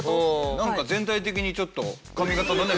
なんか全体的にちょっと髪形がね。